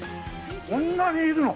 こんなにいるの？